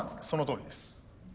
そのとおりです。